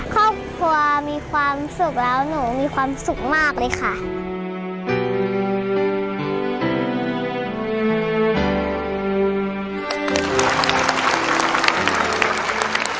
ครอบครัวมีความสุขแล้วหนูมีความสุขมากเลยค่ะ